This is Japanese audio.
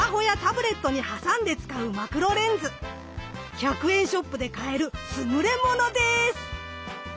１００円ショップで買える優れものです。